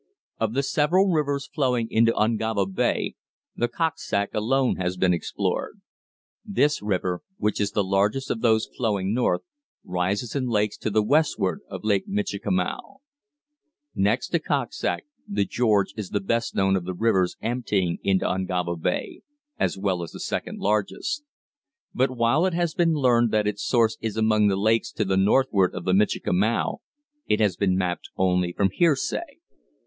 Of the several rivers flowing into Ungava Bay, the Koksoak alone has been explored. This river, which is the largest of those flowing north, rises in lakes to the westward of Lake Michikamau. Next to the Koksoak, the George is the best known of the rivers emptying into Ungava Bay, as well as the second largest; but while it has been learned that its source is among the lakes to the northward of Michikamau, it has been mapped only from hearsay.